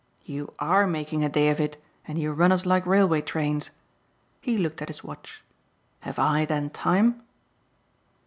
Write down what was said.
"You ARE making a day of it and you run us like railway trains!" He looked at his watch. "Have I then time?"